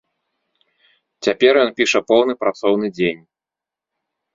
Цяпер ён піша поўны працоўны дзень.